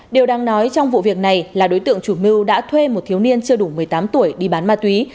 điều đang nói trong vụ việc này là đối tượng chủ mưu đã thuê một thiếu niên chưa đủ một mươi tám tuổi đi bán ma túy